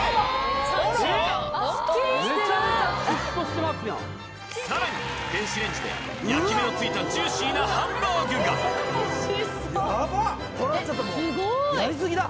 めちゃめちゃシュッとしてますやんさらに電子レンジで焼き目のついたジューシーなハンバーグがこれはちょっともうやりすぎだ！